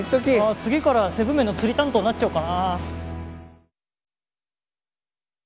次から７ＭＥＮの釣り担当になっちゃおっかな。